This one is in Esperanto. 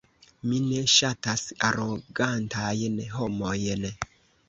Mi ne ŝatas arogantajn homojn.